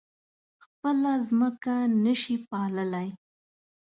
خپله ځمکه نه شي پاللی.